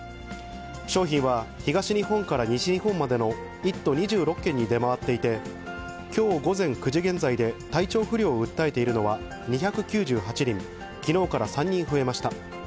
商品は東日本から西日本までの１都２６県に出回っていて、きょう午前９時現在で、体調不良を訴えているのは２９８人、きのうから３人増えました。